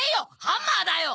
ハンマーだよ！